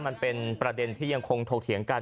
มันเป็นประเด็นที่ยังคงถกเถียงกัน